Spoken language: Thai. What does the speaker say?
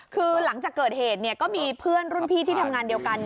คือหลังจากเกิดเหตุก็มีเพื่อนรุ่นพี่ที่ทำงานเดียวกัน